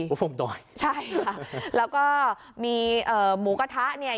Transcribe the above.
เวิร์คฟอร์มดอยใช่ค่ะแล้วก็มีหมูกระทะเนี่ย